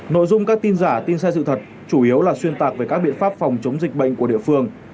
nội dung các tin giả tin sai sự thật chủ yếu là xuyên tạc về các biện pháp phòng chống dịch bệnh của địa phương